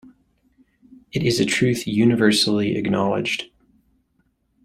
It is a truth universally acknowledged.